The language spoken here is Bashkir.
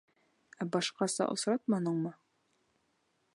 Ә башҡаса осратманыңмы?